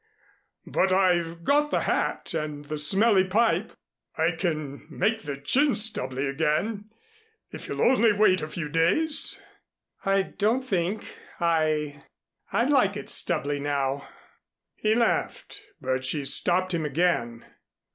But I've got the hat and the smelly pipe. I can make the chin stubbly again if you'll only wait a few days." "I don't think I I'd like it stubbly now." He laughed. But she stopped him again.